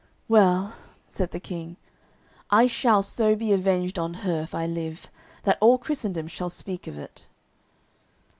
"Well," said the King, "I shall so be avenged on her, if I live, that all Christendom shall speak of it."